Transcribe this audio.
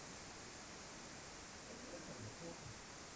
Le Coudray-Montceaux